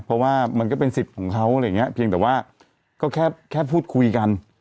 เพราะว่ามันก็เป็นสิทธิ์ของเขาอะไรอย่างนี้เพียงแต่ว่าก็แค่พูดคุยกัน